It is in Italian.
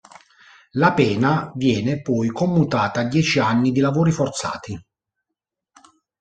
La pena viene poi commutata a dieci anni di lavori forzati.